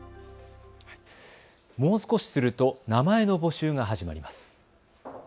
もう少しすると名前の募集が始まります。